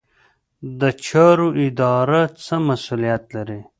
د چارو اداره څه مسوولیت لري؟